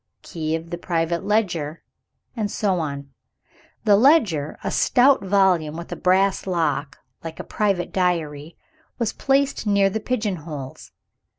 "Key of the private ledger" and so on. The ledger a stout volume with a brass lock, like a private diary was placed near the pigeon holes.